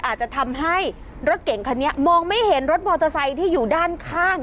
อาจจะทำให้รถเก่งคันนี้มองไม่เห็นรถมอเตอร์ไซค์ที่อยู่ด้านข้าง